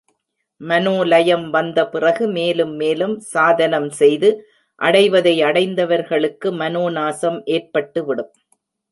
மனோலயம் வந்த பிறகு மேலும் மேலும் சாதனம் செய்து, அடைவதை அடைந்தவர்களுக்கு மனோ நாசம் ஏற்பட்டுவிடும்.